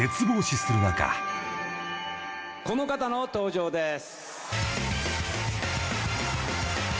この方の登場です。